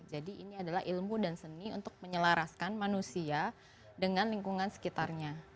jadi ini adalah ilmu dan seni untuk menyelaraskan manusia dengan lingkungan sekitarnya